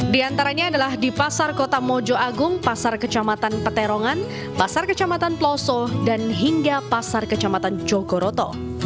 di antaranya adalah di pasar kota mojo agung pasar kecamatan peterongan pasar kecamatan peloso dan hingga pasar kecamatan jogoroto